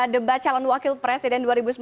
debat calon wakil presiden dua ribu sembilan belas